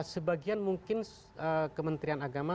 sebagian mungkin kementrian agama